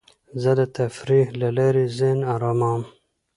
زه د تفریح له لارې ذهن اراموم.